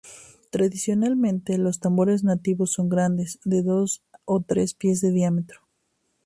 Tradicionalmente, los tambores nativos son grandes, de dos o tres pies de diámetro.